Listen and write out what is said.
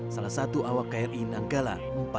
salah satu awak kri nanggala empat ratus dua